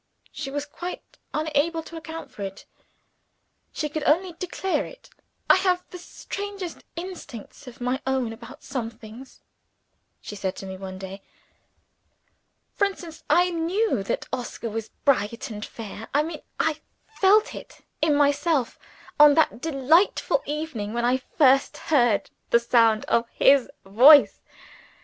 She was quite unable to account for it; she could only declare it. "I have the strangest instincts of my own about some things," she said to me one day. "For instance, I knew that Oscar was bright and fair I mean I felt it in myself on that delightful evening when I first heard the sound of his voice.